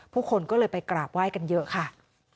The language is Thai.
คนก็เลยไปกราบไหว้กันเยอะค่ะ